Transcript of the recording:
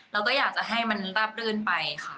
เราก็อยากจะให้มันราบรื่นไปค่ะ